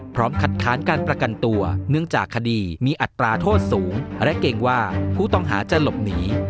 คัดค้านการประกันตัวเนื่องจากคดีมีอัตราโทษสูงและเกรงว่าผู้ต้องหาจะหลบหนี